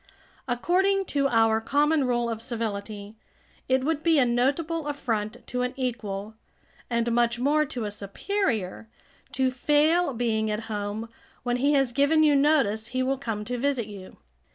According to our common rule of civility, it would be a notable affront to an equal, and much more to a superior, to fail being at home when he has given you notice he will come to visit you.